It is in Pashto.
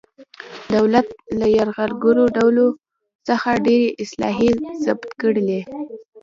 دولت له یرغلګرو ډولو څخه ډېرې اصلحې ضبط کړلې.